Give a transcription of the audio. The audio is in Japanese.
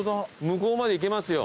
向こうまで行けますよ。